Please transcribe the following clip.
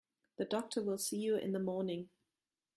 The doctor will see you in the morning.